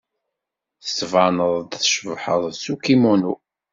Tettbaneḍ-d tcebḥeḍ s ukimunu.